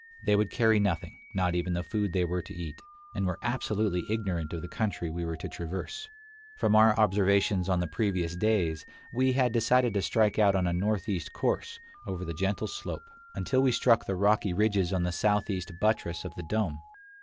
They would carry nothing, not even the food they were to eat, and were absolutely ignorant of the country we were to traverse. From our observations on the previous days, we had decided to strike out on a northeast course, over the gentle slope, 58 Across Asia on a Bicycle until we struck the rocky ridges on the southeast buttress of the dome.